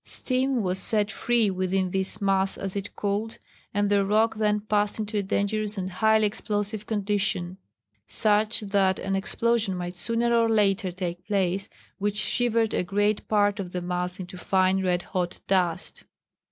Steam was set free within this mass as it cooled, and the rock then passed into a dangerous and highly explosive condition, such that an explosion must sooner or later take place, which shivered a great part of the mass into fine red hot dust."